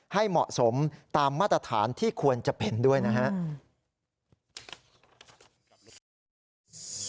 ให้เหมาะสมตามมาตรฐานที่ควรจะเป็นด้วยนะครับ